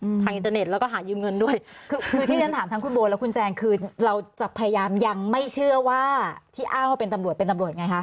ทางอินเตอร์เน็ตแล้วก็หายืมเงินด้วยคือคือที่ฉันถามทั้งคุณโบและคุณแจงคือเราจะพยายามยังไม่เชื่อว่าที่อ้างว่าเป็นตำรวจเป็นตำรวจไงคะ